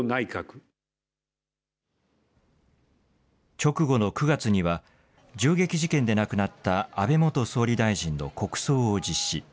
直後の９月には銃撃事件で亡くなった安倍元総理大臣の国葬を実施。